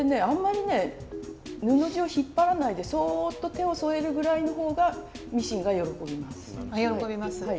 あんまりね布地を引っ張らないでそっと手を添えるぐらいの方がミシンが喜びます。